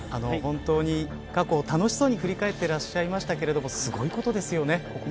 本当に過去を楽しそうに振り返っていらっしゃいましたけれどすごいことですよね